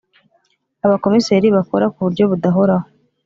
Abakomiseri bakora ku buryo budahoraho